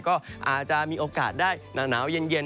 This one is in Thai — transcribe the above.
ก็อาจจะมีโอกาสได้หนาวเย็น